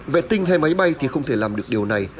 vệ tinh hay máy bay thì không thể làm được điều này